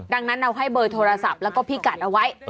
ดังนั้นเราให้เบอร์โทรศัพท์แล้วก็พี่กัดเอาไว้